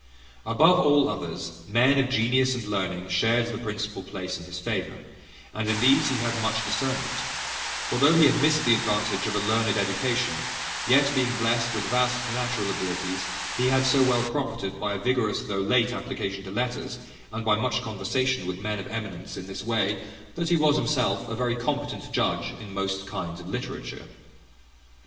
Above all others, men of genius and learning shared the principal place in his favour; and in these he had much discernment: for though he had missed the advantage of a learned education, yet, being blest with vast natural abilities, he had so well profited by a vigorous though late application to letters, and by much conversation with men of eminence in this way, that he was himself a very competent judge in most kinds of literature.